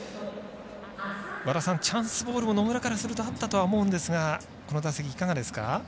和田さん、チャンスボールも野村からするとあったとは思うんですがこの打席、いかがですか？